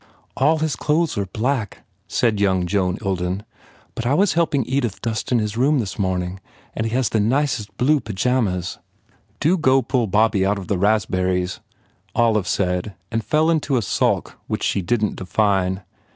"All his clothes are black," said young Joan Ilden, "but I was helping Edith dust in his room 37 THE FAIR REWARDS this morning and he has the nicest blue pyjamas." "Do go pull Bobby out of the raspberries," Olive said and fell into a sulk which she didn t define.